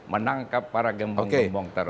menangkap para gembong gembong tersebut